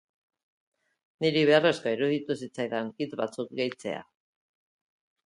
Niri beharrezkoa iruditu zitzaidan hitz batzuk gehitzea.